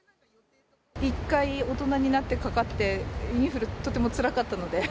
１回、大人になってかかって、インフルってとてもつらかったので。